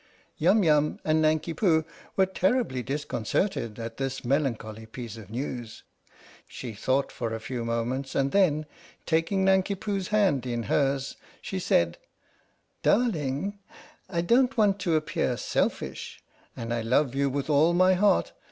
Yum Yum and Nanki Poo were terribly discon certed at this melancholy piece of news. She thought for a few moments, and then, taking Nanki Poo's hand in hers, she said: " Darling ! I don't want to appear selfish, and I love you with all my heart.